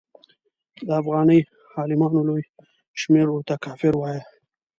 د افغاني عالمانو لوی شمېر ورته کافر وایه.